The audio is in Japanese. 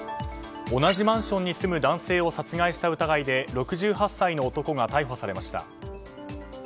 同じマンションに住む男性を殺害した疑いで６８歳の男が逮捕されました。